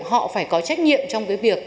họ phải có trách nhiệm trong việc